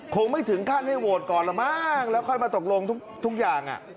คงไม่ถึงขั้นให้โหวตก่อนละมั้งแล้วค่อยมาตกลงทุกอย่าง